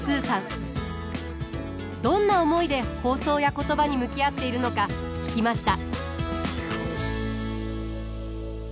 どんな思いで放送や言葉に向き合っているのか聞きました。